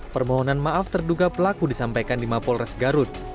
permohonan maaf terduga pelaku disampaikan di mapol resgarut